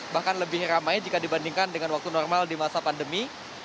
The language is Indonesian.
bahkan lebih ramai jika dibandingkan dengan waktu normal di masa pandemi